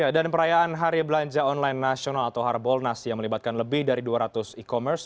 dan perayaan hari belanja online nasional atau harbolnas yang melibatkan lebih dari dua ratus e commerce